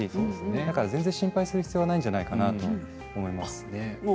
だから心配する必要はないんじゃないかなと思います。